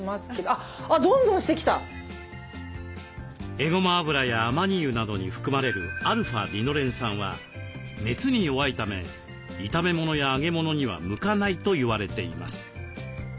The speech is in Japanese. えごま油やあまに油などに含まれるα−リノレン酸は熱に弱いため炒め物や揚げ物には向かないと言われています。